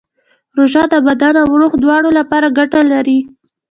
روژه د بدن او روح دواړو لپاره ګټه لري.